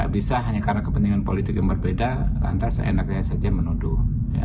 bisa hanya karena kepentingan politik yang berbeda lantas enaknya saja menuduh